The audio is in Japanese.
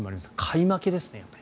買い負けですね。